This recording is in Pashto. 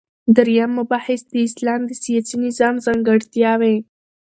دریم مبحث : د اسلام د سیاسی نظام ځانګړتیاوی